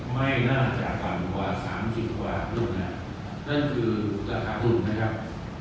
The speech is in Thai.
ไม่น่าจะต่ำกว่า๓๐บาทนั่นคือราคาทุนนะครับ